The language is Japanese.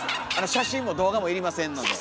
写真も動画も要りませんので。